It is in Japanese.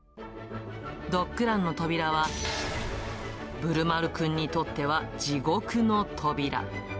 ドッグランの扉は、ぶるまるくんにとっては地獄の扉。